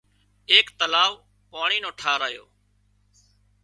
ايڪ تلاوَ پاڻي نو ٺاهرايو